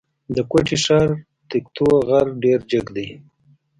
د کوټي ښار تکتو غر ډېر جګ دی.